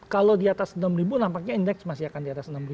kalau diatas enam nampaknya indeks masih akan diatas enam